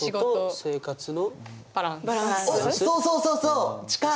おっそうそうそうそう近い！